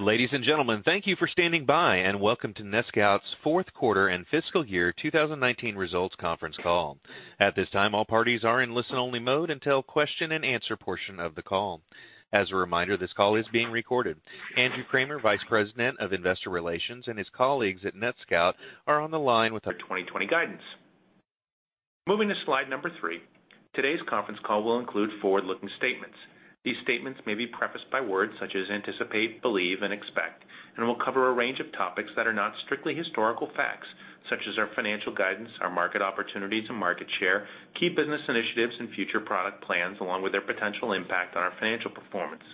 Ladies and gentlemen, thank you for standing by, and welcome to NetScout's fourth quarter and fiscal year 2019 results conference call. At this time, all parties are in listen-only mode until the question and answer portion of the call. As a reminder, this call is being recorded. Andrew Kramer, Vice President of Investor Relations, and his colleagues at NetScout are on the line with our 2020 guidance. Moving to slide number three, today's conference call will include forward-looking statements. These statements may be prefaced by words such as anticipate, believe, and expect, and will cover a range of topics that are not strictly historical facts, such as our financial guidance, our market opportunities and market share, key business initiatives, and future product plans, along with their potential impact on our financial performance.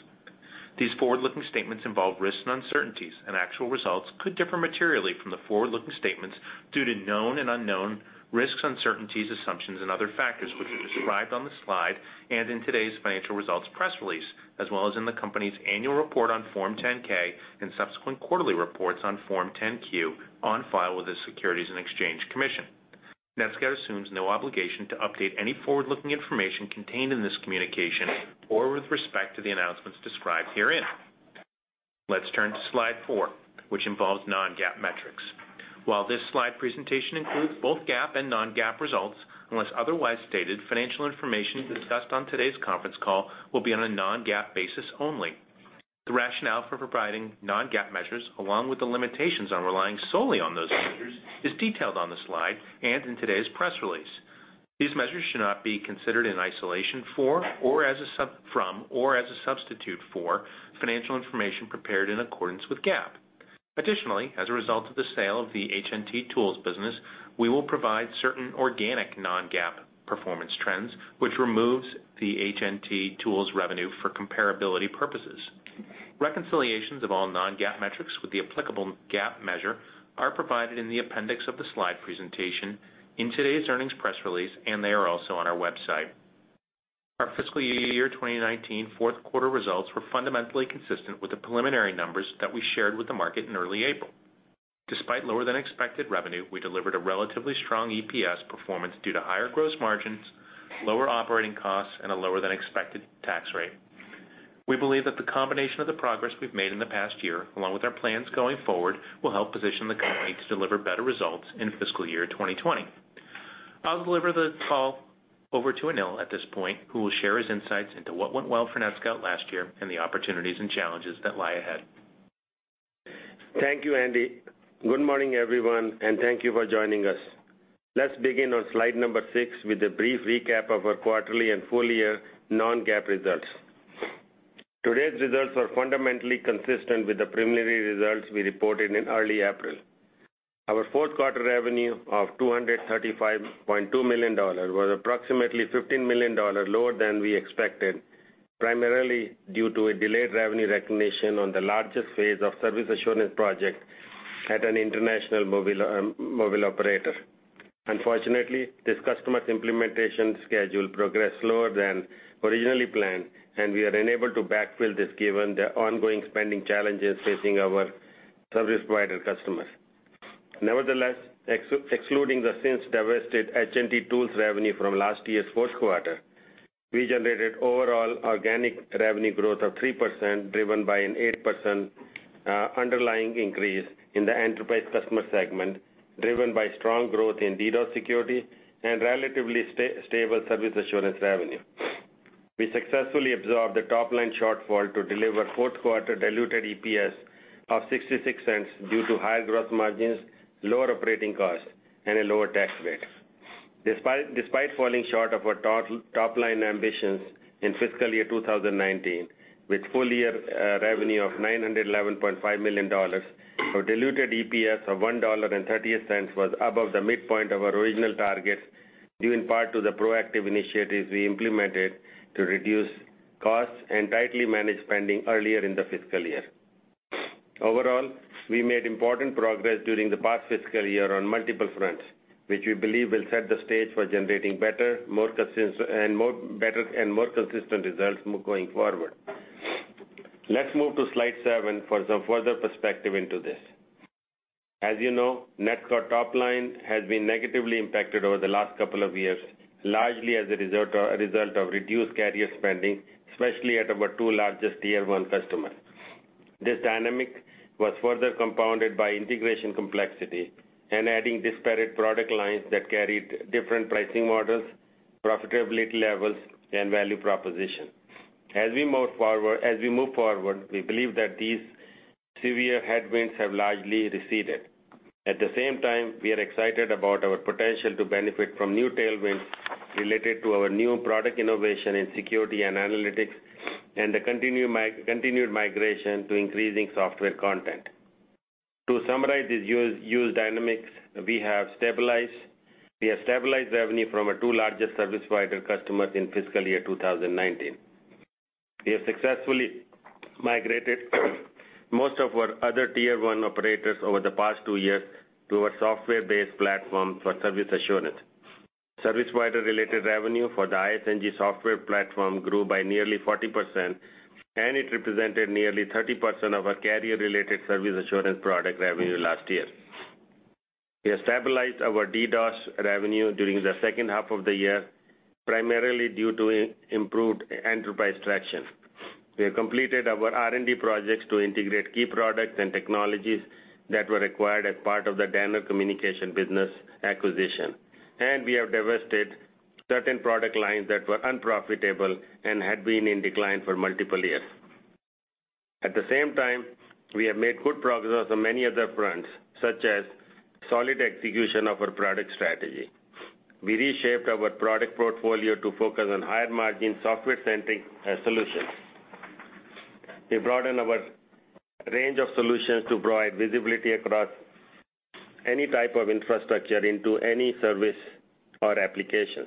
These forward-looking statements involve risks and uncertainties, and actual results could differ materially from the forward-looking statements due to known and unknown risks, uncertainties, assumptions, and other factors which are described on the slide and in today's financial results press release, as well as in the company's annual report on Form 10-K and subsequent quarterly reports on Form 10-Q on file with the Securities and Exchange Commission. NetScout assumes no obligation to update any forward-looking information contained in this communication or with respect to the announcements described herein. Let's turn to slide four, which involves non-GAAP metrics. While this slide presentation includes both GAAP and non-GAAP results, unless otherwise stated, financial information discussed on today's conference call will be on a non-GAAP basis only. The rationale for providing non-GAAP measures, along with the limitations on relying solely on those measures, is detailed on the slide and in today's press release. These measures should not be considered in isolation from, or as a substitute for, financial information prepared in accordance with GAAP. Additionally, as a result of the sale of the HNT Tools business, we will provide certain organic non-GAAP performance trends, which removes the HNT Tools revenue for comparability purposes. Reconciliations of all non-GAAP metrics with the applicable GAAP measure are provided in the appendix of the slide presentation in today's earnings press release, and they are also on our website. Our fiscal year 2019 fourth-quarter results were fundamentally consistent with the preliminary numbers that we shared with the market in early April. Despite lower-than-expected revenue, we delivered a relatively strong EPS performance due to higher gross margins, lower operating costs, and a lower-than-expected tax rate. We believe that the combination of the progress we've made in the past year, along with our plans going forward, will help position the company to deliver better results in fiscal year 2020. I'll deliver the call over to Anil at this point, who will share his insights into what went well for NetScout last year and the opportunities and challenges that lie ahead. Thank you, Andy. Good morning, everyone, and thank you for joining us. Let's begin on slide number six with a brief recap of our quarterly and full-year non-GAAP results. Today's results are fundamentally consistent with the preliminary results we reported in early April. Our fourth-quarter revenue of $235.2 million was approximately $15 million lower than we expected, primarily due to a delayed revenue recognition on the largest phase of service assurance project at an international mobile operator. Unfortunately, this customer's implementation schedule progressed slower than originally planned, and we are unable to backfill this given the ongoing spending challenges facing our service provider customers. Nevertheless, excluding the since-divested Handheld Network Test revenue from last year's fourth quarter, we generated overall organic revenue growth of 3%, driven by an 8% underlying increase in the enterprise customer segment, driven by strong growth in DDoS security and relatively stable service assurance revenue. We successfully absorbed the top-line shortfall to deliver fourth-quarter diluted EPS of $0.66 due to higher gross margins, lower operating costs, and a lower tax rate. Despite falling short of our top-line ambitions in fiscal year 2019, with full-year revenue of $911.5 million, our diluted EPS of $1.38 was above the midpoint of our original target, due in part to the proactive initiatives we implemented to reduce costs and tightly manage spending earlier in the fiscal year. Overall, we made important progress during the past fiscal year on multiple fronts, which we believe will set the stage for generating better and more consistent results going forward. Let's move to slide seven for some further perspective into this. As you know, NetScout's top line has been negatively impacted over the last couple of years, largely as a result of reduced carrier spending, especially at our two largest tier 1 customers. This dynamic was further compounded by integration complexity and adding disparate product lines that carried different pricing models, profitability levels, and value proposition. As we move forward, we believe that these severe headwinds have largely receded. At the same time, we are excited about our potential to benefit from new tailwinds related to our new product innovation in security and analytics and the continued migration to increasing software content. To summarize these dynamics, we have stabilized revenue from our two largest service provider customers in fiscal year 2019. We have successfully migrated most of our other tier 1 operators over the past two years to our software-based platform for service assurance. Service provider-related revenue for the InfiniStreamNG software platform grew by nearly 40%, and it represented nearly 30% of our carrier-related service assurance product revenue last year. We have stabilized our DDoS revenue during the second half of the year, primarily due to improved enterprise traction. We have completed our R&D projects to integrate key products and technologies that were required as part of the Danaher Corporation Communications Business acquisition, and we have divested certain product lines that were unprofitable and had been in decline for multiple years. At the same time, we have made good progress on many other fronts, such as solid execution of our product strategy. We reshaped our product portfolio to focus on higher-margin, software-centric solutions. We broadened our range of solutions to provide visibility across any type of infrastructure into any service or applications.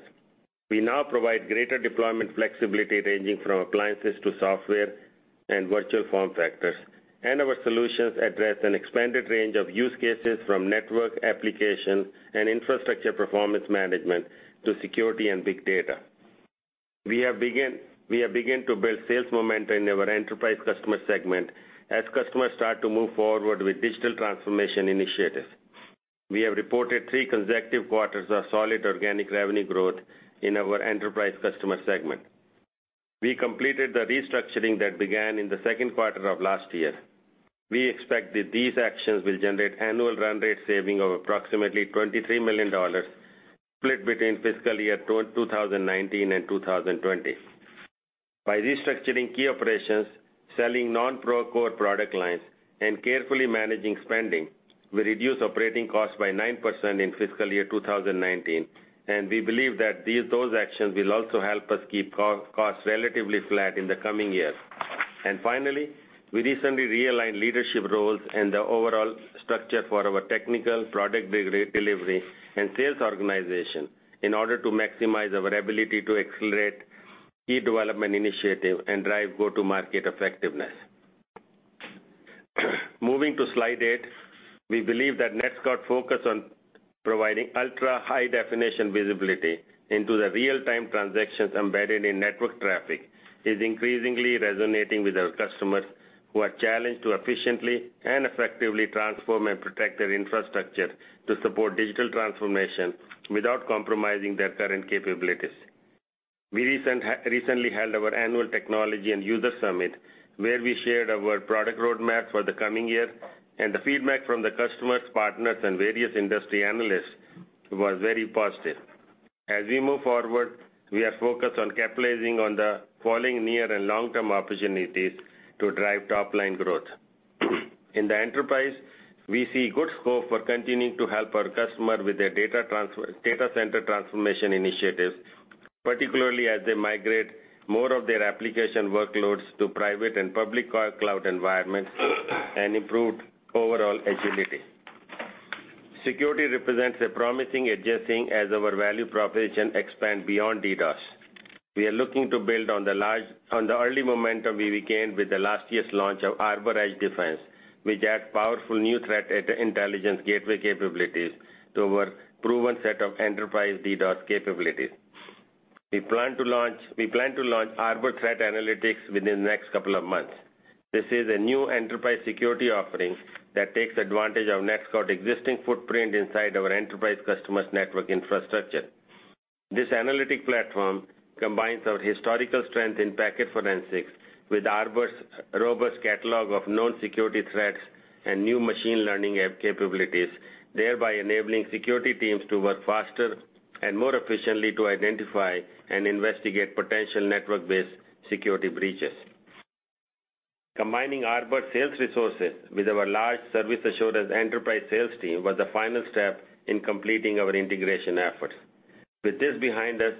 We now provide greater deployment flexibility, ranging from appliances to software and virtual form factors. Our solutions address an expanded range of use cases from network application and infrastructure performance management to security and big data. We have begun to build sales momentum in our enterprise customer segment as customers start to move forward with digital transformation initiatives. We have reported three consecutive quarters of solid organic revenue growth in our enterprise customer segment. We completed the restructuring that began in the second quarter of last year. We expect that these actions will generate annual run rate saving of approximately $23 million, split between fiscal year 2019 and 2020. By restructuring key operations, selling non-core product lines, and carefully managing spending, we reduced operating costs by 9% in fiscal year 2019, and we believe that those actions will also help us keep costs relatively flat in the coming years. Finally, we recently realigned leadership roles and the overall structure for our technical product delivery and sales organization in order to maximize our ability to accelerate key development initiatives and drive go-to-market effectiveness. Moving to slide eight. We believe that NetScout's focus on providing ultra-high-definition visibility into the real-time transactions embedded in network traffic is increasingly resonating with our customers who are challenged to efficiently and effectively transform and protect their infrastructure to support digital transformation without compromising their current capabilities. We recently held our annual technology and user summit, where we shared our product roadmap for the coming year, and the feedback from the customers, partners, and various industry analysts was very positive. As we move forward, we are focused on capitalizing on the following near and long-term opportunities to drive top-line growth. In the enterprise, we see good scope for continuing to help our customers with their data center transformation initiatives, particularly as they migrate more of their application workloads to private and public cloud environments and improve overall agility. Security represents a promising adjacent as our value proposition expands beyond DDoS. We are looking to build on the early momentum we gained with the last year's launch of Arbor Edge Defense, which adds powerful new threat intelligence gateway capabilities to our proven set of enterprise DDoS capabilities. We plan to launch Arbor Threat Analytics within the next couple of months. This is a new enterprise security offering that takes advantage of NetScout's existing footprint inside our enterprise customers' network infrastructure. This analytic platform combines our historical strength in packet forensics with Arbor's robust catalog of known security threats and new machine learning capabilities, thereby enabling security teams to work faster and more efficiently to identify and investigate potential network-based security breaches. Combining Arbor's sales resources with our large Service Assurance enterprise sales team was the final step in completing our integration efforts. With this behind us,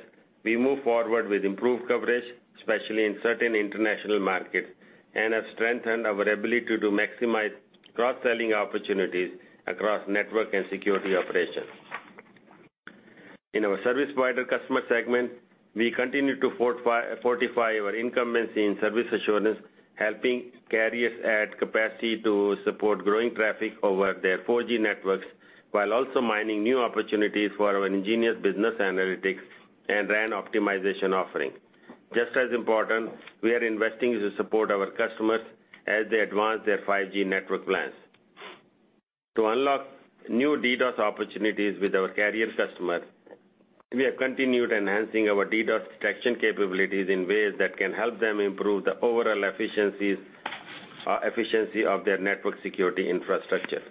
we move forward with improved coverage, especially in certain international markets, and have strengthened our ability to maximize cross-selling opportunities across network and security operations. In our service provider customer segment, we continue to fortify our incumbency in Service Assurance, helping carriers add capacity to support growing traffic over their 4G networks, while also mining new opportunities for our nGenius business analytics and RAN optimization offering. Just as important, we are investing to support our customers as they advance their 5G network plans. To unlock new DDoS opportunities with our carrier customers, we have continued enhancing our DDoS detection capabilities in ways that can help them improve the overall efficiency of their network security infrastructure.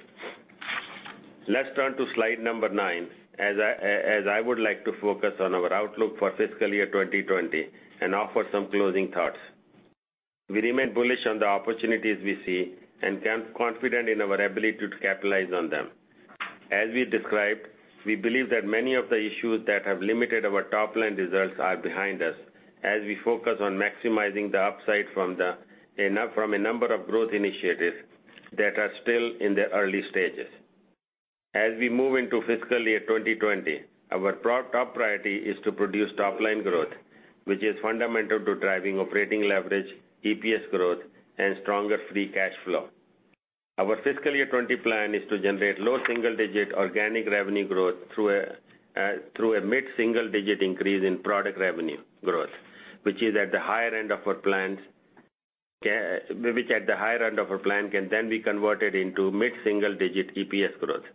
Let's turn to slide number nine, as I would like to focus on our outlook for fiscal year 2020 and offer some closing thoughts. We remain bullish on the opportunities we see and confident in our ability to capitalize on them. As we described, we believe that many of the issues that have limited our top-line results are behind us as we focus on maximizing the upside from a number of growth initiatives that are still in their early stages. As we move into fiscal year 2020, our top priority is to produce top-line growth, which is fundamental to driving operating leverage, EPS growth, and stronger free cash flow. Our fiscal year 2020 plan is to generate low single-digit organic revenue growth through a mid-single-digit increase in product revenue growth, which is at the higher end of our plan can then be converted into mid-single-digit EPS growth.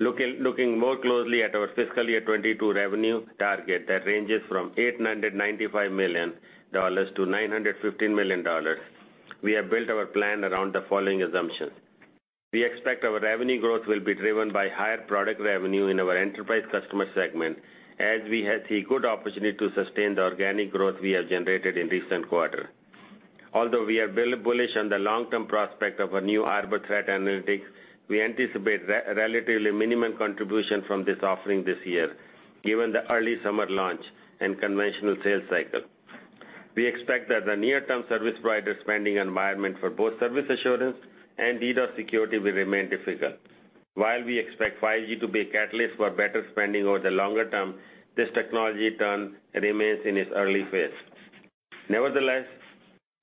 Looking more closely at our fiscal year 2022 revenue target that ranges from $895 million to $915 million, we have built our plan around the following assumptions. We expect our revenue growth will be driven by higher product revenue in our enterprise customer segment, as we see a good opportunity to sustain the organic growth we have generated in recent quarter. Although we are bullish on the long-term prospect of our new Arbor Threat Analytics, we anticipate relatively minimum contribution from this offering this year, given the early summer launch and conventional sales cycle. We expect that the near-term service provider spending environment for both service assurance and DDoS security will remain difficult. While we expect 5G to be a catalyst for better spending over the longer term, this technology remains in its early phase. Nevertheless,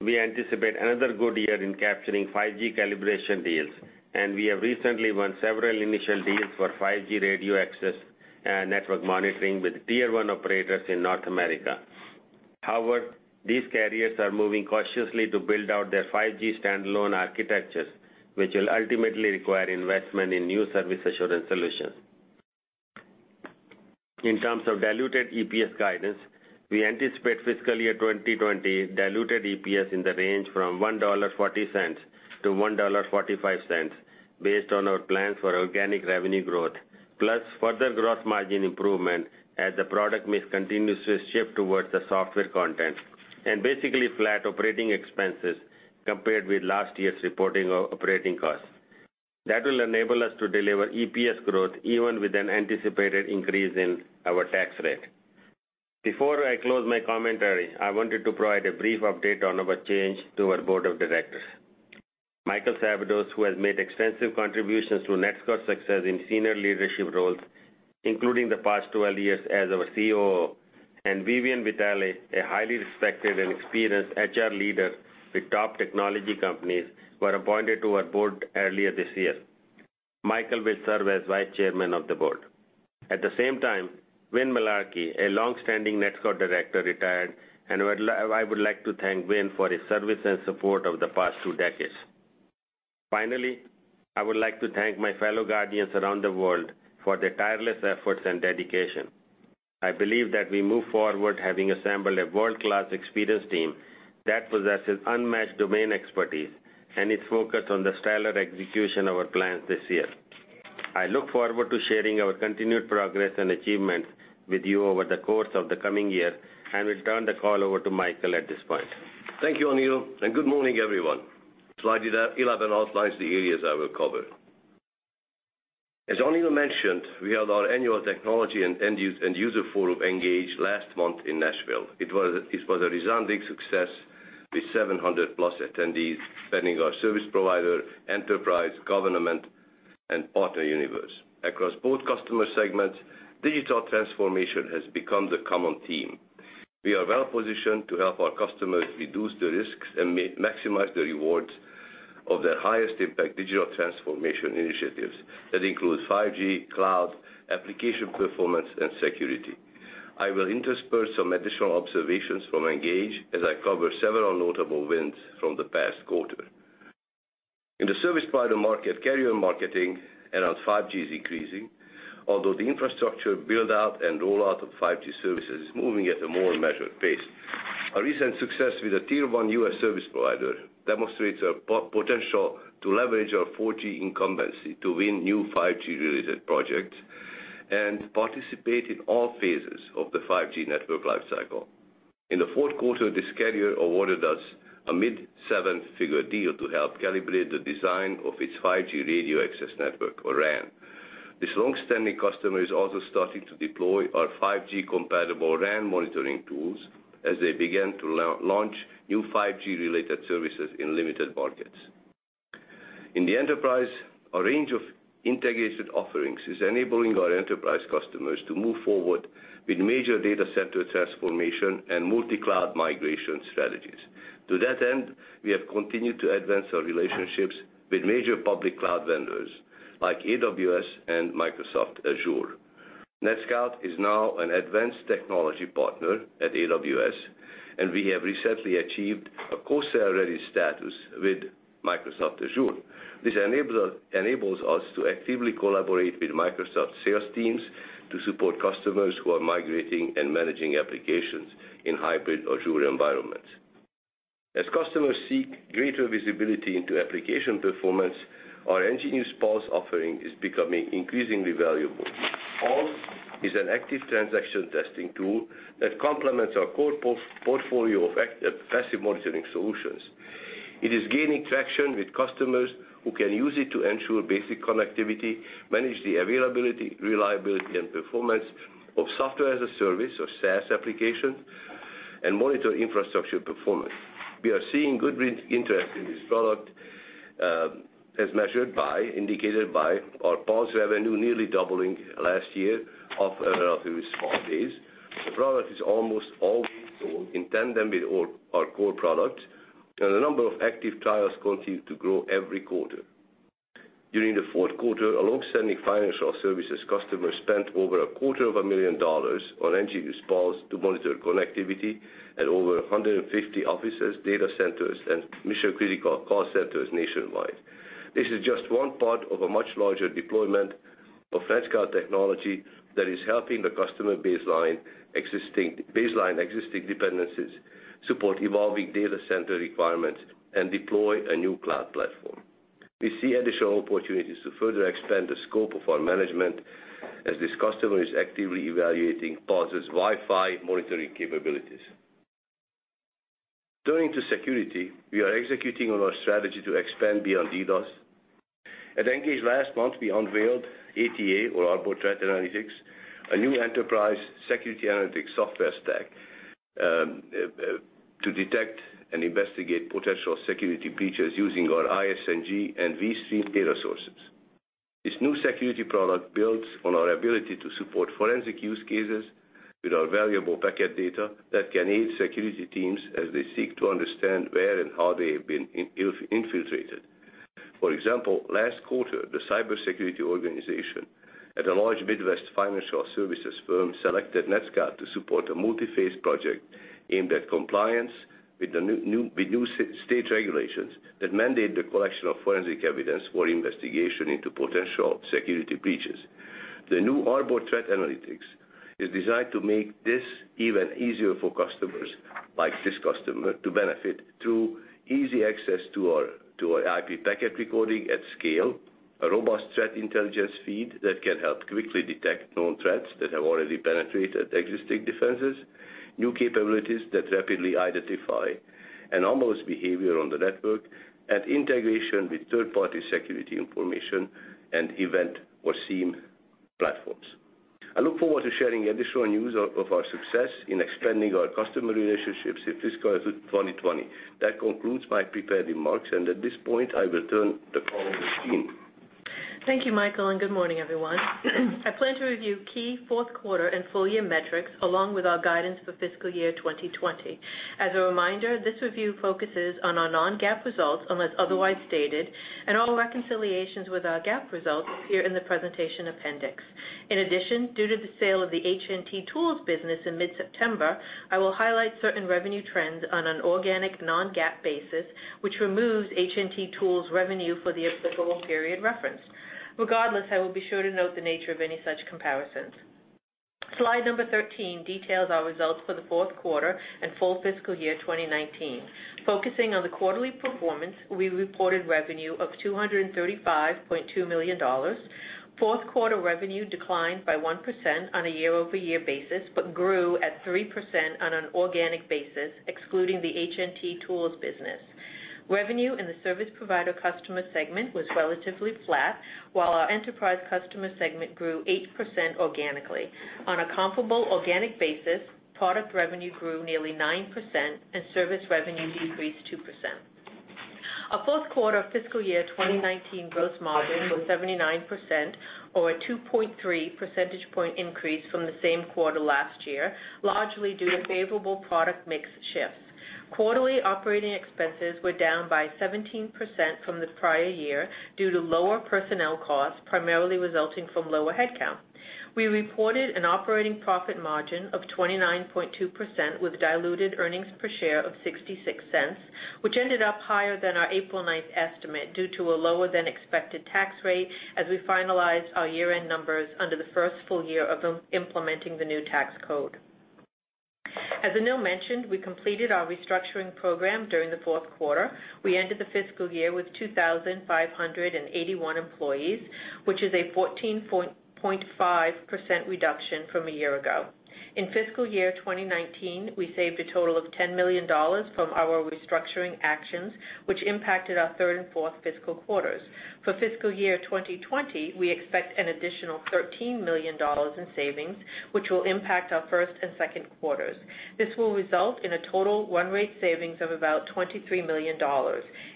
we anticipate another good year in capturing 5G calibration deals, and we have recently won several initial deals for 5G radio access and network monitoring with tier 1 operators in North America. However, these carriers are moving cautiously to build out their 5G standalone architectures, which will ultimately require investment in new service assurance solutions. In terms of diluted EPS guidance, we anticipate fiscal year 2022 diluted EPS in the range from $1.40 to $1.45, based on our plans for organic revenue growth, plus further gross margin improvement as the product mix continues to shift towards the software content, and basically flat operating expenses compared with last year's reporting of operating costs. That will enable us to deliver EPS growth even with an anticipated increase in our tax rate. Before I close my commentary, I wanted to provide a brief update on our change to our board of directors. Michael Szabados, who has made extensive contributions to NetScout's success in senior leadership roles, including the past 12 years as our COO, and Vivian Vitale, a highly respected and experienced HR leader with top technology companies, were appointed to our board earlier this year. Michael will serve as vice chairman of the board. At the same time, Win Mullarkey, a long-standing NetScout director, retired, and I would like to thank Win for his service and support over the past two decades. Finally, I would like to thank my fellow Guardians around the world for their tireless efforts and dedication. I believe that we move forward having assembled a world-class experienced team that possesses unmatched domain expertise and is focused on the stellar execution of our plans this year. I look forward to sharing our continued progress and achievements with you over the course of the coming year and will turn the call over to Michael at this point. Thank you, Anil. Good morning, everyone. Slide 11 outlines the areas I will cover. As Anil mentioned, we held our annual technology and user forum, ENGAGE, last month in Nashville. It was a resounding success with 700-plus attendees spanning our service provider, enterprise, government, and partner universe. Across both customer segments, digital transformation has become the common theme. We are well-positioned to help our customers reduce the risks and maximize the rewards of their highest impact digital transformation initiatives. That includes 5G, cloud, application performance, and security. I will intersperse some additional observations from ENGAGE as I cover several notable wins from the past quarter. In the service provider market, carrier marketing around 5G is increasing, although the infrastructure build-out and rollout of 5G services is moving at a more measured pace. Our recent success with a tier 1 U.S. service provider demonstrates our potential to leverage our 4G incumbency to win new 5G-related projects and participate in all phases of the 5G network life cycle. In the fourth quarter, this carrier awarded us a mid-seven-figure deal to help calibrate the design of its 5G radio access network, or RAN. This long-standing customer is also starting to deploy our 5G-compatible RAN monitoring tools as they begin to launch new 5G-related services in limited markets. In the enterprise, a range of integrated offerings is enabling our enterprise customers to move forward with major data center transformation and multi-cloud migration strategies. To that end, we have continued to advance our relationships with major public cloud vendors like AWS and Microsoft Azure. NetScout is now an advanced technology partner at AWS, and we have recently achieved a co-sell-ready status with Microsoft Azure. This enables us to actively collaborate with Microsoft sales teams to support customers who are migrating and managing applications in hybrid Azure environments. As customers seek greater visibility into application performance, our nGeniusPULSE offering is becoming increasingly valuable. Pulse is an active transaction testing tool that complements our core portfolio of passive monitoring solutions. It is gaining traction with customers who can use it to ensure basic connectivity, manage the availability, reliability, and performance of software-as-a-service or SaaS applications, and monitor infrastructure performance. We are seeing good interest in this product as indicated by our Pulse revenue nearly doubling last year off a very small base. The product is almost always sold in tandem with our core products. The number of active trials continues to grow every quarter. During the fourth quarter, a long-standing financial services customer spent over a quarter of a million dollars on nGeniusPULSE to monitor connectivity at over 150 offices, data centers, and mission-critical call centers nationwide. This is just one part of a much larger deployment of NetScout technology that is helping the customer baseline existing dependencies, support evolving data center requirements, and deploy a new cloud platform. We see additional opportunities to further expand the scope of our management as this customer is actively evaluating Pulse's Wi-Fi monitoring capabilities. Turning to security, we are executing on our strategy to expand beyond DDoS. At ENGAGE last month, we unveiled ATA, or Arbor Threat Analytics, a new enterprise security analytics software stack to detect and investigate potential security breaches using our ISNG and vSTREAM data sources. This new security product builds on our ability to support forensic use cases with our valuable packet data that can aid security teams as they seek to understand where and how they have been infiltrated. For example, last quarter, the cybersecurity organization at a large Midwest financial services firm selected NetScout to support a multi-phase project aimed at compliance with new state regulations that mandate the collection of forensic evidence for investigation into potential security breaches. The new Arbor Threat Analytics is designed to make this even easier for customers like this customer to benefit through easy access to our IP packet recording at scale, a robust threat intelligence feed that can help quickly detect known threats that have already penetrated existing defenses, new capabilities that rapidly identify anomalous behavior on the network, and integration with third-party security information and event or SIEM platforms. I look forward to sharing additional news of our success in expanding our customer relationships in fiscal year 2020. That concludes my prepared remarks. At this point, I will turn the call over to Jean. Thank you, Michael. Good morning, everyone. I plan to review key fourth quarter and full-year metrics along with our guidance for fiscal year 2020. As a reminder, this review focuses on our non-GAAP results unless otherwise stated. All reconciliations with our GAAP results appear in the presentation appendix. In addition, due to the sale of the HNT Tools business in mid-September, I will highlight certain revenue trends on an organic, non-GAAP basis, which removes HNT Tools revenue for the applicable period referenced. Regardless, I will be sure to note the nature of any such comparisons. Slide number 13 details our results for the fourth quarter and full fiscal year 2019. Focusing on the quarterly performance, we reported revenue of $235.2 million. Fourth quarter revenue declined by 1% on a year-over-year basis, but grew at 3% on an organic basis, excluding the HNT Tools business. Revenue in the service provider customer segment was relatively flat, while our enterprise customer segment grew 8% organically. On a comparable organic basis, product revenue grew nearly 9%, and service revenue decreased 2%. Our fourth quarter of fiscal year 2019 gross margin was 79%, or a 2.3 percentage point increase from the same quarter last year, largely due to favorable product mix shifts. Quarterly operating expenses were down by 17% from the prior year due to lower personnel costs, primarily resulting from lower headcount. We reported an operating profit margin of 29.2% with diluted earnings per share of $0.66, which ended up higher than our April 9th estimate due to a lower than expected tax rate as we finalized our year-end numbers under the first full year of implementing the new tax code. As Anil mentioned, we completed our restructuring program during the fourth quarter. We ended the fiscal year with 2,581 employees, which is a 14.5% reduction from a year ago. In fiscal year 2019, we saved a total of $10 million from our restructuring actions, which impacted our third and fourth fiscal quarters. For fiscal year 2020, we expect an additional $13 million in savings, which will impact our first and second quarters. This will result in a total run rate savings of about $23 million.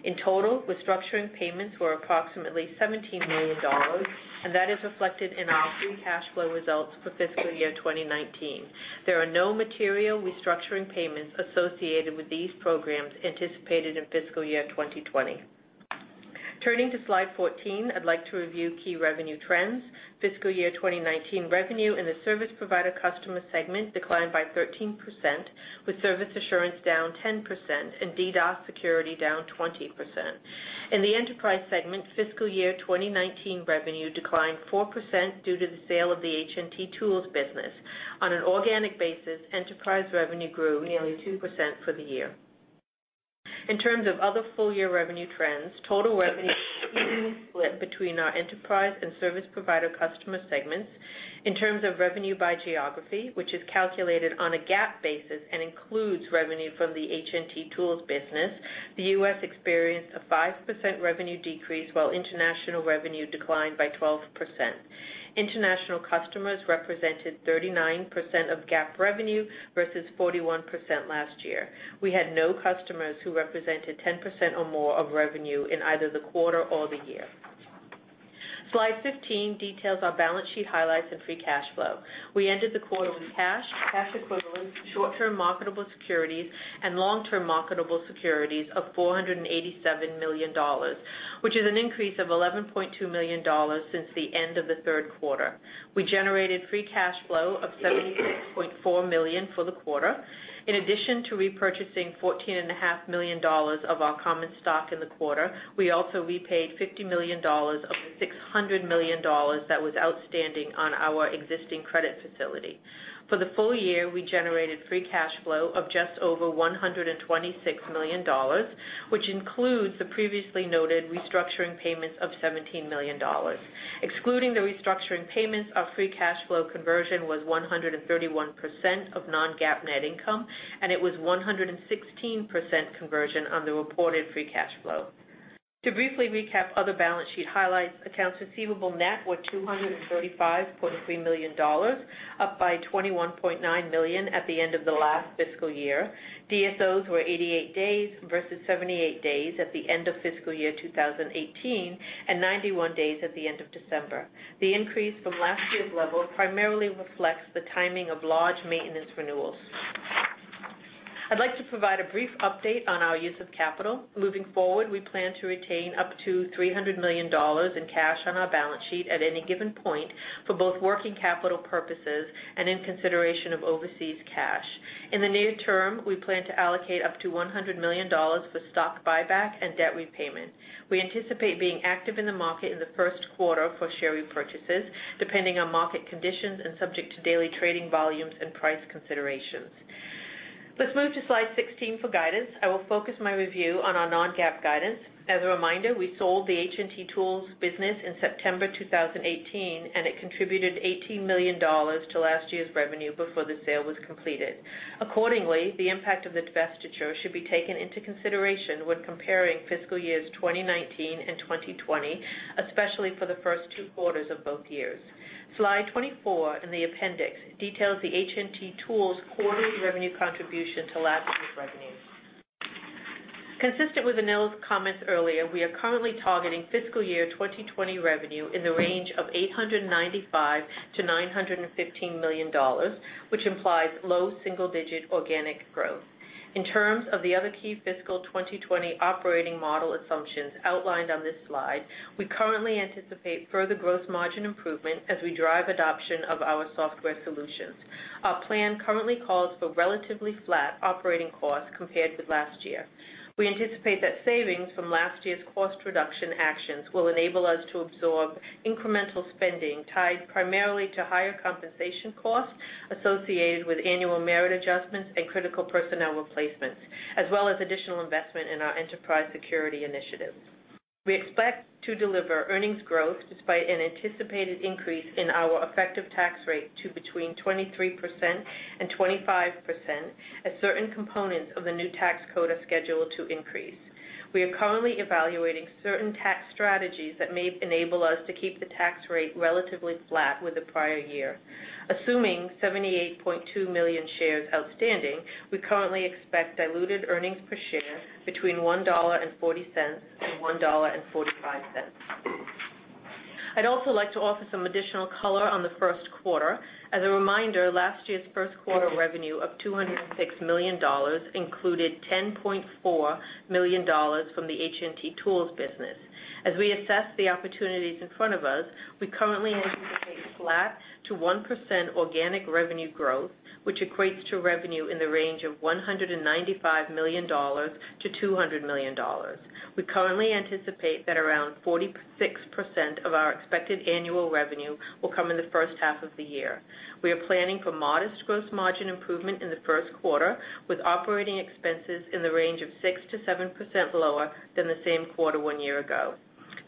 In total, restructuring payments were approximately $17 million, and that is reflected in our free cash flow results for fiscal year 2019. There are no material restructuring payments associated with these programs anticipated in fiscal year 2020. Turning to slide 14, I'd like to review key revenue trends. Fiscal year 2019 revenue in the service provider customer segment declined by 13%, with service assurance down 10% and DDoS security down 20%. In the enterprise segment, fiscal year 2019 revenue declined 4% due to the sale of the HNT Tools business. On an organic basis, enterprise revenue grew nearly 2% for the year. In terms of other full-year revenue trends, total revenue split between our enterprise and service provider customer segments. In terms of revenue by geography, which is calculated on a GAAP basis and includes revenue from the HNT Tools business, the U.S. experienced a 5% revenue decrease while international revenue declined by 12%. International customers represented 39% of GAAP revenue versus 41% last year. We had no customers who represented 10% or more of revenue in either the quarter or the year. Slide 15 details our balance sheet highlights and free cash flow. We ended the quarter with cash equivalents, short-term marketable securities, and long-term marketable securities of $487 million, which is an increase of $11.2 million since the end of the third quarter. We generated free cash flow of $76.4 million for the quarter. In addition to repurchasing $14.5 million of our common stock in the quarter, we also repaid $50 million of the $600 million that was outstanding on our existing credit facility. For the full year, we generated free cash flow of just over $126 million, which includes the previously noted restructuring payments of $17 million. Excluding the restructuring payments, our free cash flow conversion was 131% of non-GAAP net income, and it was 116% conversion on the reported free cash flow. To briefly recap other balance sheet highlights, accounts receivable net were $235.3 million, up by $21.9 million at the end of the last fiscal year. DSOs were 88 days versus 78 days at the end of FY 2018, and 91 days at the end of December. The increase from last year's level primarily reflects the timing of large maintenance renewals. I'd like to provide a brief update on our use of capital. Moving forward, we plan to retain up to $300 million in cash on our balance sheet at any given point for both working capital purposes and in consideration of overseas cash. In the near term, we plan to allocate up to $100 million for stock buyback and debt repayment. We anticipate being active in the market in the first quarter for share repurchases, depending on market conditions and subject to daily trading volumes and price considerations. Let's move to slide 16 for guidance. I will focus my review on our non-GAAP guidance. As a reminder, we sold the HNT Tools business in September 2018, and it contributed $18 million to last year's revenue before the sale was completed. Accordingly, the impact of the divestiture should be taken into consideration when comparing fiscal years 2019 and 2020, especially for the first two quarters of both years. Slide 24 in the appendix details the HNT Tools' quarterly revenue contribution to last year's revenue. Consistent with Anil's comments earlier, we are currently targeting FY 2020 revenue in the range of $895 million to $915 million, which implies low single-digit organic growth. In terms of the other key FY 2020 operating model assumptions outlined on this slide, we currently anticipate further gross margin improvement as we drive adoption of our software solutions. Our plan currently calls for relatively flat operating costs compared with last year. We anticipate that savings from last year's cost reduction actions will enable us to absorb incremental spending tied primarily to higher compensation costs associated with annual merit adjustments and critical personnel replacements, as well as additional investment in our enterprise security initiatives. We expect to deliver earnings growth despite an anticipated increase in our effective tax rate to between 23% and 25% as certain components of the new tax code are scheduled to increase. We are currently evaluating certain tax strategies that may enable us to keep the tax rate relatively flat with the prior year. Assuming 78.2 million shares outstanding, we currently expect diluted EPS between $1.40 and $1.45. I'd also like to offer some additional color on the first quarter. As a reminder, last year's first quarter revenue of $206 million included $10.4 million from the HNT Tools business. As we assess the opportunities in front of us, we currently anticipate flat to 1% organic revenue growth, which equates to revenue in the range of $195 million to $200 million. We currently anticipate that around 46% of our expected annual revenue will come in the first half of the year. We are planning for modest gross margin improvement in the first quarter, with operating expenses in the range of 6%-7% lower than the same quarter one year ago.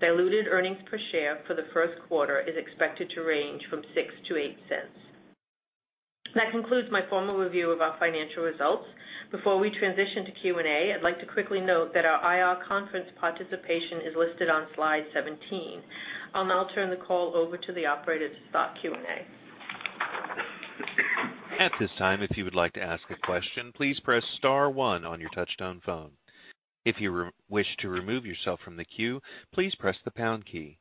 Diluted EPS for the first quarter is expected to range from $0.06 to $0.08. That concludes my formal review of our financial results. Before we transition to Q&A, I'd like to quickly note that our IR conference participation is listed on slide 17. I'll now turn the call over to the operator to start Q&A. At this time, if you would like to ask a question, please press *1 on your touch-tone phone. If you wish to remove yourself from the queue, please press the # key.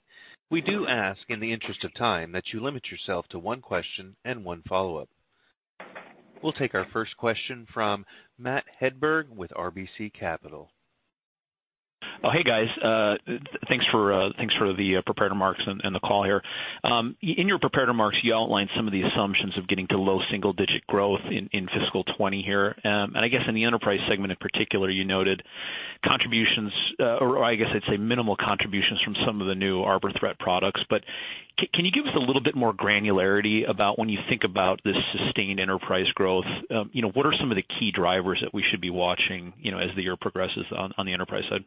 We do ask, in the interest of time, that you limit yourself to one question and one follow-up. We'll take our first question from Matt Hedberg with RBC Capital. Hey guys. Thanks for the prepared remarks and the call here. In your prepared remarks, you outlined some of the assumptions of getting to low single-digit growth in fiscal 2020 here. I guess in the enterprise segment in particular, you noted contributions or I guess I'd say minimal contributions from some of the new Arbor threat products. Can you give us a little bit more granularity about when you think about this sustained enterprise growth, what are some of the key drivers that we should be watching as the year progresses on the enterprise side?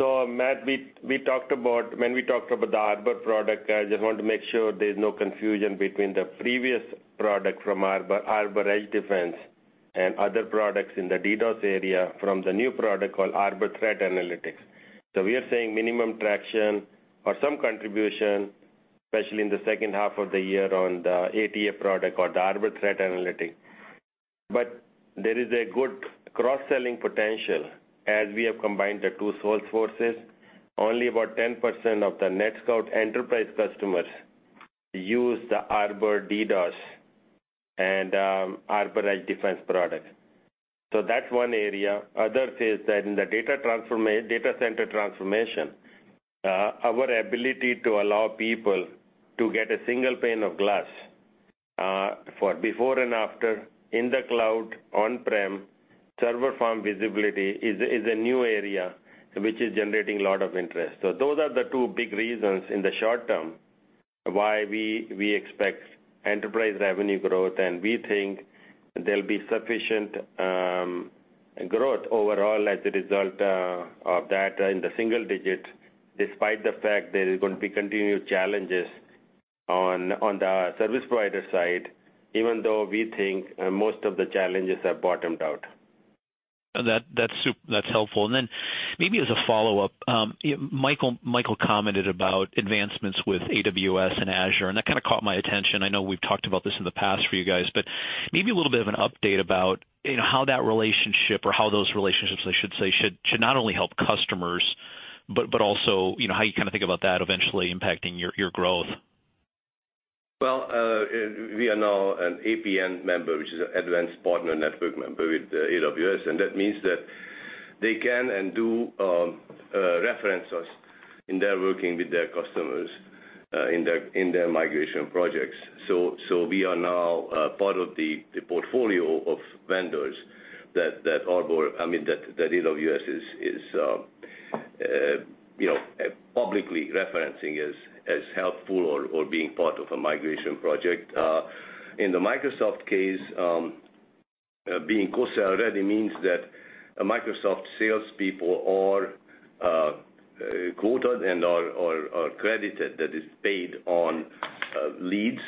Matt, when we talked about the Arbor product, I just want to make sure there's no confusion between the previous product from Arbor Edge Defense, and other products in the DDoS area from the new product called Arbor Threat Analytics. Can you give us a little bit more granularity about when you think about this sustained enterprise growth, what are some of the key drivers that we should be watching as the year progresses on the enterprise side? Matt, when we talked about the Arbor product, I just want to make sure there's no confusion between the previous product from Arbor Edge Defense, and other products in the DDoS area from the new product called Arbor Threat Analytics. There is a good cross-selling potential as we have combined the two sales forces. Only about 10% of the NetScout enterprise customers use the Arbor DDoS and Arbor Edge Defense product. That's one area. Other is that in the data center transformation, our ability to allow people to get a single pane of glass, for before and after in the cloud, on-prem, server farm visibility is a new area which is generating a lot of interest. Those are the two big reasons in the short term why we expect enterprise revenue growth, and we think there'll be sufficient growth overall as a result of that in the single digits, despite the fact there is going to be continued challenges on the service provider side, even though we think most of the challenges have bottomed out. That's helpful. Maybe as a follow-up, Michael commented about advancements with AWS and Azure, and that kind of caught my attention. I know we've talked about this in the past for you guys, but maybe a little bit of an update about how that relationship or how those relationships, I should say, should not only help customers but also, how you think about that eventually impacting your growth. We are now an APN member, which is an advanced partner network member with AWS, and that means that they can and do reference us in their working with their customers, in their migration projects. We are now part of the portfolio of vendors that AWS is publicly referencing as helpful or being part of a migration project. In the Microsoft case, being co-sell already means that Microsoft salespeople are quoted and are credited, that is paid on leads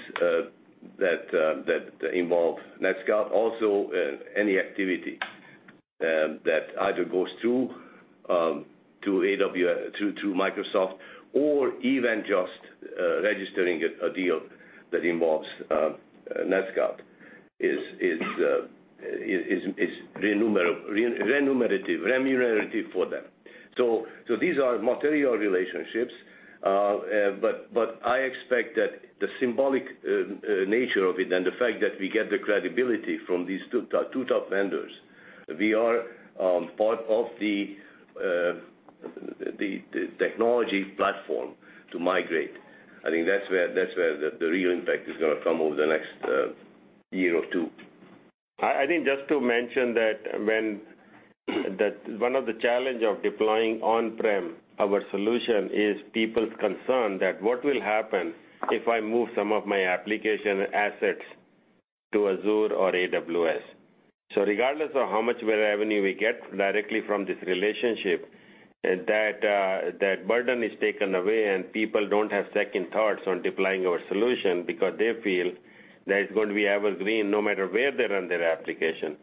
that involve NetScout. Also, any activity that either goes through Microsoft or even just registering a deal that involves NetScout is remunerative for them. These are material relationships. I expect that the symbolic nature of it and the fact that we get the credibility from these two top vendors, we are part of the technology platform to migrate. I think that's where the real impact is going to come over the next year or two. I think just to mention that one of the challenge of deploying on-prem, our solution is people's concern that what will happen if I move some of my application assets to Azure or AWS. Regardless of how much revenue we get directly from this relationship, that burden is taken away, and people don't have second thoughts on deploying our solution because they feel that it's going to be evergreen no matter where they run their application.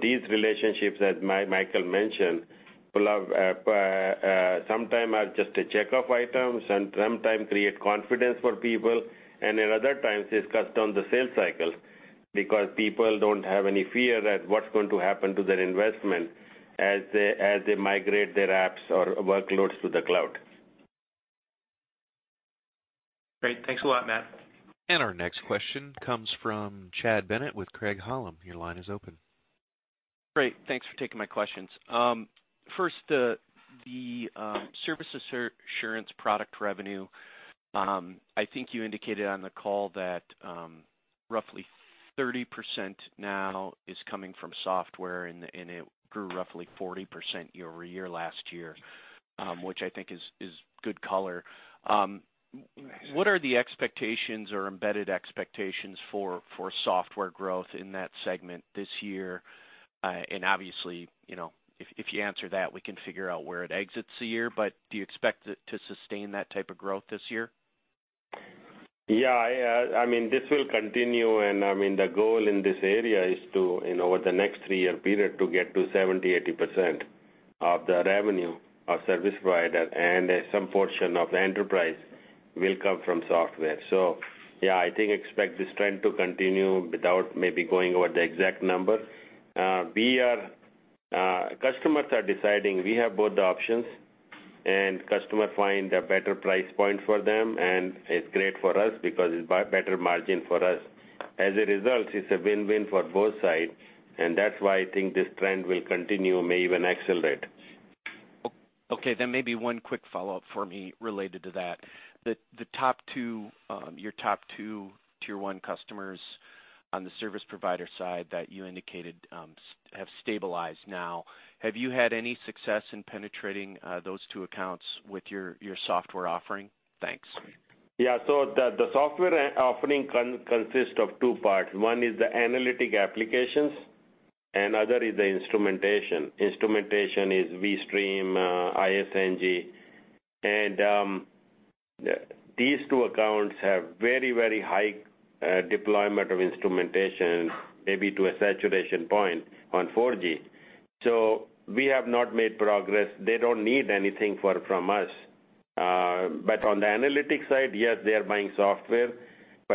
These relationships, as Michael mentioned, sometime are just a check-off item and sometimes create confidence for people, and at other times, they've cut down the sales cycle because people don't have any fear that what's going to happen to their investment as they migrate their apps or workloads to the cloud. Great. Thanks a lot, Matt. Our next question comes from Chad Bennett with Craig-Hallum. Your line is open. Great. Thanks for taking my questions. First, the Service Assurance product revenue. I think you indicated on the call that roughly 30% now is coming from software, and it grew roughly 40% year-over-year last year, which I think is good color. What are the expectations or embedded expectations for software growth in that segment this year? Obviously, if you answer that, we can figure out where it exits a year. Do you expect it to sustain that type of growth this year? Yeah. This will continue, the goal in this area is to, over the next three-year period, to get to 70%, 80% of the revenue of service provider and some portion of the enterprise will come from software. Yeah, I think expect this trend to continue without maybe going over the exact number. Customers are deciding we have both the options, customer find a better price point for them, it's great for us because it's better margin for us. As a result, it's a win-win for both sides, that's why I think this trend will continue, may even accelerate. Okay. Maybe one quick follow-up for me related to that. Your top two tier 1 customers on the service provider side that you indicated have stabilized now. Have you had any success in penetrating those two accounts with your software offering? Thanks. Yeah. The software offering consists of two parts. One is the analytic applications, and other is the instrumentation. Instrumentation is vSTREAM, InfiniStreamNG. These two accounts have very high deployment of instrumentation, maybe to a saturation point on 4G. We have not made progress. They don't need anything from us. On the analytics side, yes, they are buying software.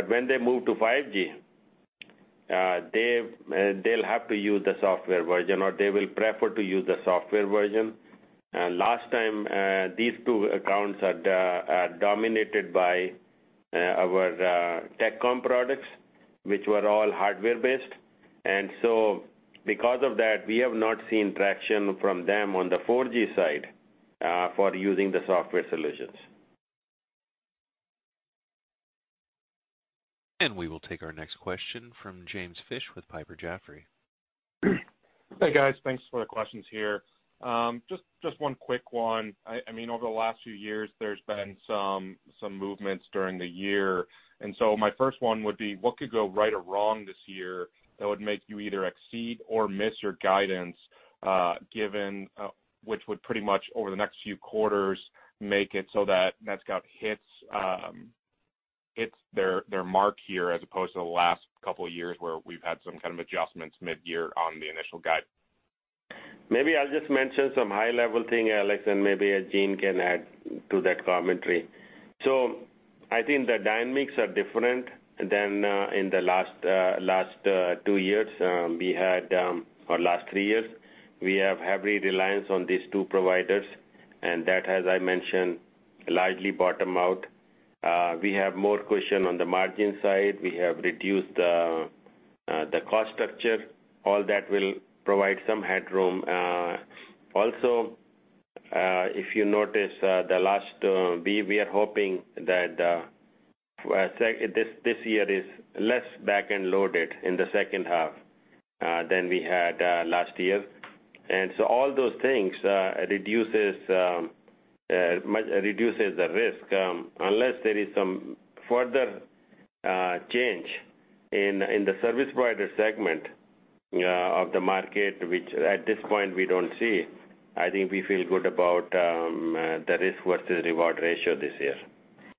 When they move to 5G, they'll have to use the software version, or they will prefer to use the software version. Last time, these two accounts are dominated by our Tektronix Communications products, which were all hardware-based. Because of that, we have not seen traction from them on the 4G side for using the software solutions. We will take our next question from James Fish with Piper Jaffray. Hey, guys. Thanks for the questions here. Just one quick one. Over the last few years, there's been some movements during the year, my first one would be: What could go right or wrong this year that would make you either exceed or miss your guidance, which would pretty much, over the next few quarters, make it so that NetScout hits their mark here as opposed to the last couple of years, where we've had some kind of adjustments mid-year on the initial guide? Maybe I'll just mention some high-level thing, Alex, and maybe Jean can add to that commentary. I think the dynamics are different than in the last two years or last three years. We have heavy reliance on these two providers, and that, as I mentioned, largely bottomed out. We have more cushion on the margin side. We have reduced the cost structure. All that will provide some headroom. Also, if you notice, we are hoping that this year is less back-end loaded in the second half than we had last year. All those things reduces the risk. Unless there is some further change in the service provider segment of the market, which at this point we don't see, I think we feel good about the risk versus reward ratio this year.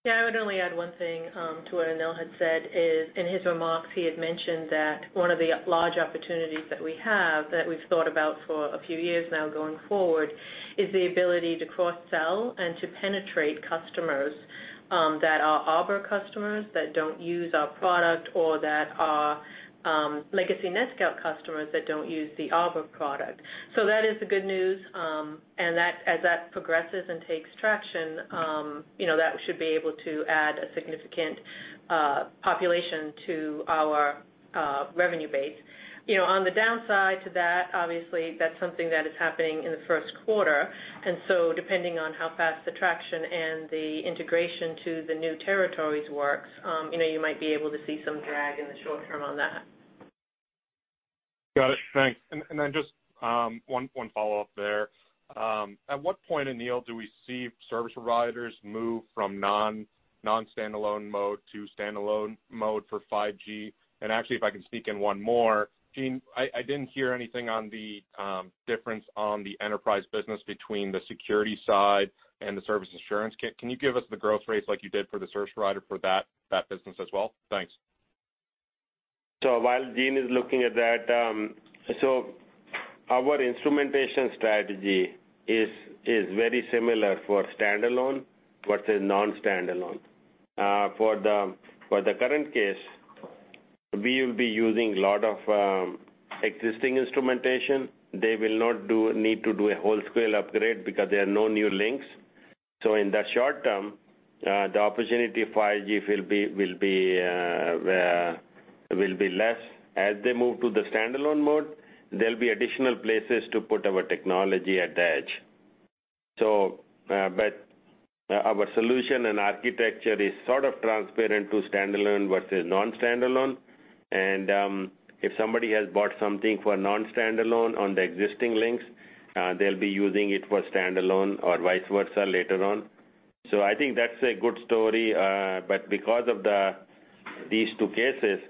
Yeah, I would only add one thing to what Anil had said is, in his remarks, he had mentioned that one of the large opportunities that we have, that we've thought about for a few years now going forward, is the ability to cross-sell and to penetrate customers that are Arbor customers that don't use our product or that are legacy NetScout customers that don't use the Arbor product. That is the good news, and as that progresses and takes traction, that should be able to add a significant population to our revenue base. On the downside to that, obviously, that's something that is happening in the first quarter, depending on how fast the traction and the integration to the new territories works, you might be able to see some drag in the short term on that. Got it. Thanks. Just one follow-up there. At what point, Anil, do we see service providers move from non-standalone mode to standalone mode for 5G? Actually, if I can sneak in one more. Jean, I didn't hear anything on the difference on the enterprise business between the security side and the service assurance. Can you give us the growth rates like you did for the service provider for that business as well? Thanks. While Jean is looking at that, our instrumentation strategy is very similar for standalone versus non-standalone. For the current case, we will be using a lot of existing instrumentation. They will not need to do a wholesale upgrade because there are no new links. In the short term, the opportunity for 5G will be less. As they move to the standalone mode, there'll be additional places to put our technology at the edge. Our solution and architecture is sort of transparent to standalone versus non-standalone. If somebody has bought something for non-standalone on the existing links, they'll be using it for standalone or vice versa later on. I think that's a good story. Because of these two cases,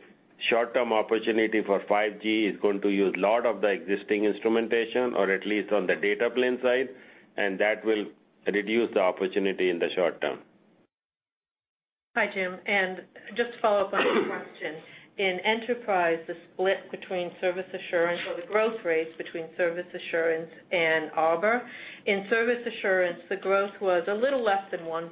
short-term opportunity for 5G is going to use a lot of the existing instrumentation, or at least on the data plane side, that will reduce the opportunity in the short term. Hi, Jim, just to follow up on that question. In enterprise, the split between service assurance or the growth rates between service assurance and Arbor. In service assurance, the growth was a little less than 1%,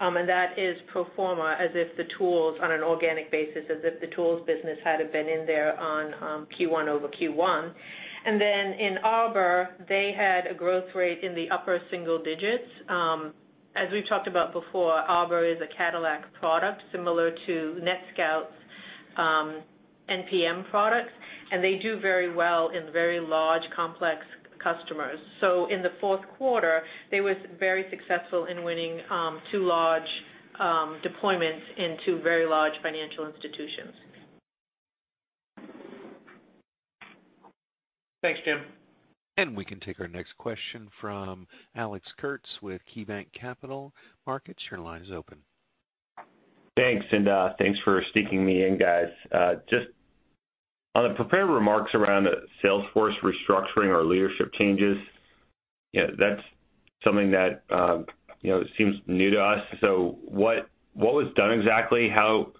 and that is pro forma, as if the tools on an organic basis, as if the tools business had been in there on Q1 over Q1. In Arbor, they had a growth rate in the upper single digits. As we've talked about before, Arbor is a Cadillac product similar to NetScout's NPM products, and they do very well in very large, complex customers. In the fourth quarter, they were very successful in winning two large deployments in two very large financial institutions. Thanks, Jean. We can take our next question from Alex Kurtz with KeyBanc Capital Markets. Your line is open. Thanks, and thanks for sneaking me in, guys. Just on the prepared remarks around the sales force restructuring or leadership changes, that's something that seems new to us. What was done exactly? How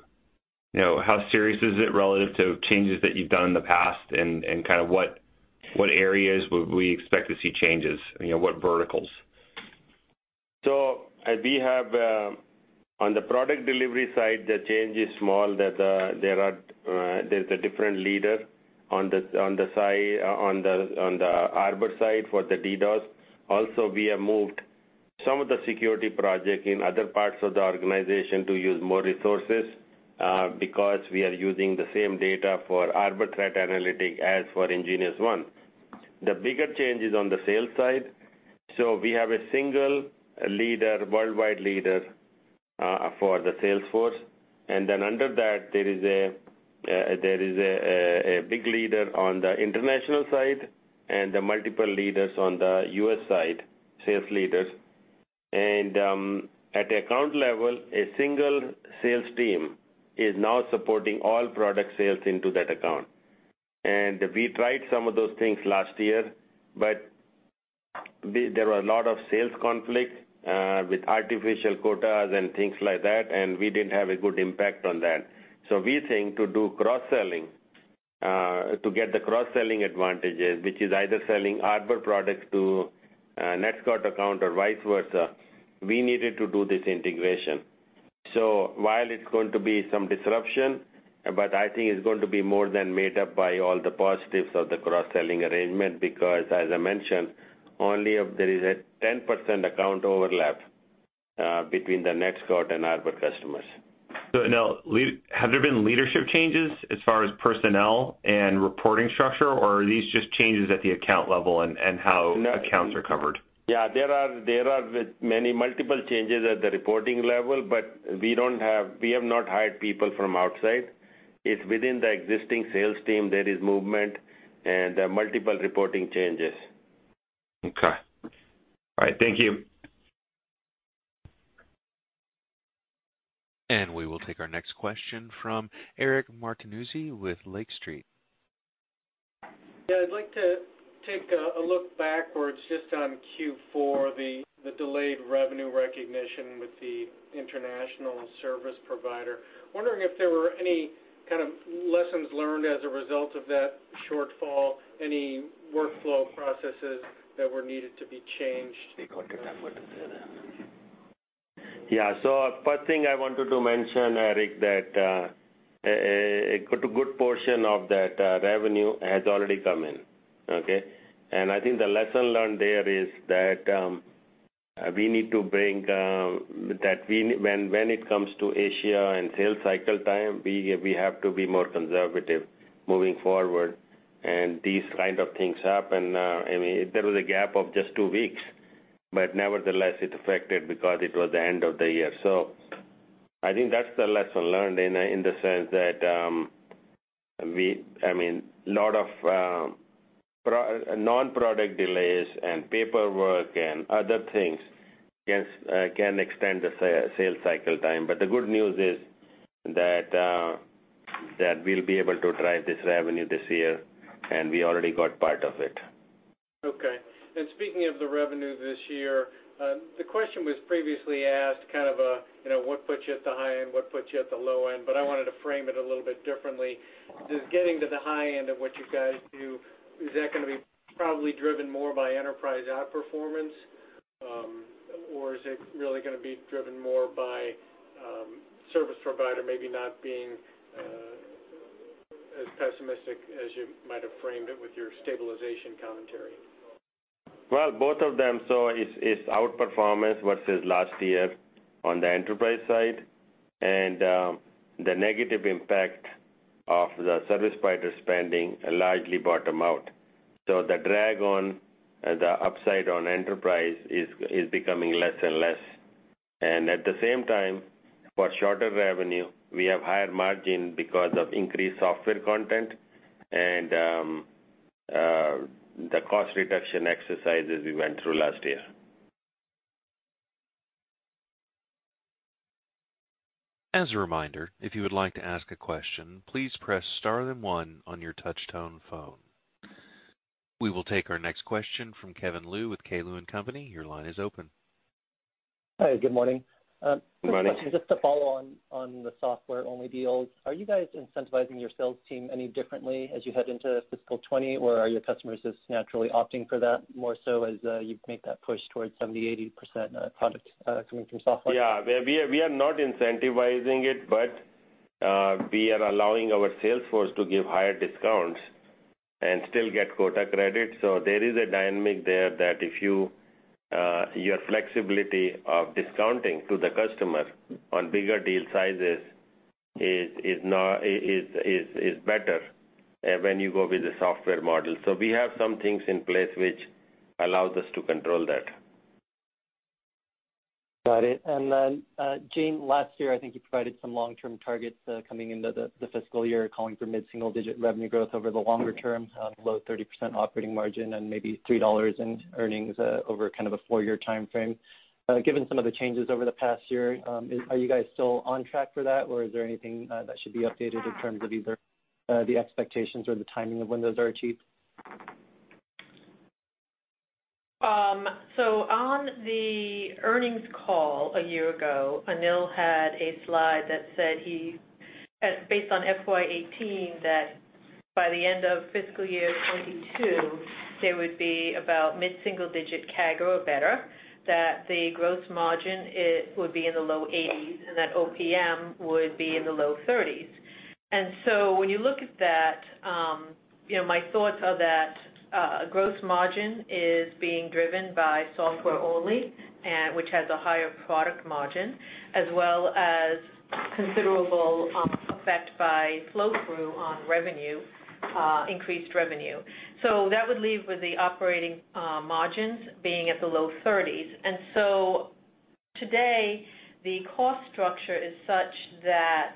serious is it relative to changes that you've done in the past, and what areas would we expect to see changes? What verticals? We have, on the product delivery side, the change is small, that there's a different leader on the Arbor side for the DDoS. Also, we have moved some of the security projects in other parts of the organization to use more resources, because we are using the same data for Arbor Threat Analytics as for nGeniusONE. The bigger change is on the sales side. We have a single worldwide leader for the sales force. Under that, there is a big leader on the international side, and multiple leaders on the U.S. side, sales leaders. At the account level, a single sales team is now supporting all product sales into that account. We tried some of those things last year, but there were a lot of sales conflicts with artificial quotas and things like that, and we didn't have a good impact on that. We think to do cross-selling, to get the cross-selling advantages, which is either selling Arbor products to NetScout account or vice versa, we needed to do this integration. While it's going to be some disruption, but I think it's going to be more than made up by all the positives of the cross-selling arrangement, because as I mentioned, only if there is a 10% account overlap between the NetScout and Arbor customers. Now, have there been leadership changes as far as personnel and reporting structure, or are these just changes at the account level and how accounts are covered? Yeah, there are multiple changes at the reporting level. We have not hired people from outside. It's within the existing sales team there is movement and multiple reporting changes. Okay. All right. Thank you. We will take our next question from Eric Martinuzzi with Lake Street. Yeah, I'd like to take a look backwards just on Q4, the delayed revenue recognition with the international service provider. Wondering if there were any lessons learned as a result of that shortfall, any workflow processes that were needed to be changed. Yeah. First thing I wanted to mention, Eric, that a good portion of that revenue has already come in. Okay. I think the lesson learned there is that when it comes to Asia and sales cycle time, we have to be more conservative moving forward. These kind of things happen. There was a gap of just two weeks, nevertheless, it affected because it was the end of the year. I think that's the lesson learned in the sense that, a lot of non-product delays and paperwork and other things can extend the sales cycle time. The good news is that we'll be able to drive this revenue this year, and we already got part of it. Okay. Speaking of the revenue this year, the question was previously asked, what puts you at the high end, what puts you at the low end? I wanted to frame it a little bit differently. Does getting to the high end of what you guys do, is that going to be probably driven more by enterprise outperformance? Or is it really going to be driven more by service provider maybe not being as pessimistic as you might have framed it with your stabilization commentary? Well, both of them. It's outperformance versus last year on the enterprise side, and the negative impact of the service provider spending largely bottom out. The drag on the upside on enterprise is becoming less and less. At the same time, for shorter revenue, we have higher margin because of increased software content and the cost reduction exercises we went through last year. As a reminder, if you would like to ask a question, please press star then one on your touch-tone phone. We will take our next question from Kevin Liu with K. Liu & Company. Your line is open. Hi, good morning. Good morning. Just a follow on the software-only deals. Are you guys incentivizing your sales team any differently as you head into fiscal 2020, or are your customers just naturally opting for that more so as you make that push towards 70%-80% product coming from software? Yeah. We are not incentivizing it, but we are allowing our sales force to give higher discounts and still get quota credit. There is a dynamic there that your flexibility of discounting to the customer on bigger deal sizes is better when you go with the software model. We have some things in place which allows us to control that. Got it. Jean, last year, I think you provided some long-term targets coming into the fiscal year, calling for mid-single digit revenue growth over the longer term, low 30% operating margin, and maybe $3 in earnings over a four-year timeframe. Given some of the changes over the past year, are you guys still on track for that, or is there anything that should be updated in terms of either the expectations or the timing of when those are achieved? On the earnings call a year ago, Anil had a slide that said, based on FY18, that by the end of fiscal year 2022, there would be about mid-single digit CAGR or better, that the gross margin would be in the low 80s, and that OPM would be in the low 30s. When you look at that, my thoughts are that gross margin is being driven by software only, which has a higher product margin, as well as considerable effect by flow-through on increased revenue. That would leave with the operating margins being at the low 30s. Today, the cost structure is such that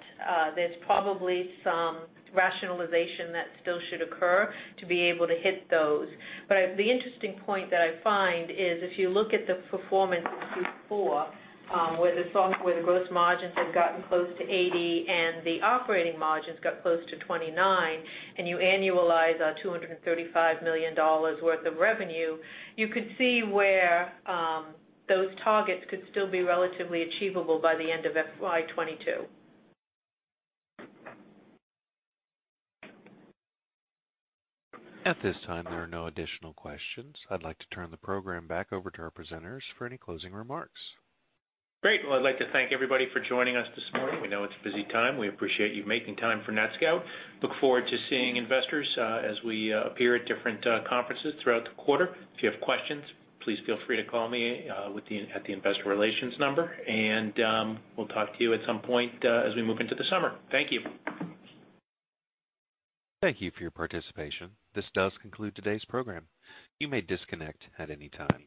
there's probably some rationalization that still should occur to be able to hit those. The interesting point that I find is if you look at the performance in Q4, where the gross margins have gotten close to 80% and the operating margins got close to 29%, and you annualize $235 million worth of revenue, you could see where those targets could still be relatively achievable by the end of FY 2022. At this time, there are no additional questions. I'd like to turn the program back over to our presenters for any closing remarks. Great. Well, I'd like to thank everybody for joining us this morning. We know it's a busy time. We appreciate you making time for NetScout. Look forward to seeing investors as we appear at different conferences throughout the quarter. If you have questions, please feel free to call me at the investor relations number, and we'll talk to you at some point as we move into the summer. Thank you. Thank you for your participation. This does conclude today's program. You may disconnect at any time.